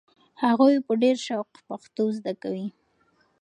هغوی په ډېر شوق پښتو زده کوي.